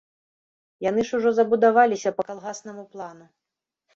Яны ж ужо забудаваліся па калгаснаму плану.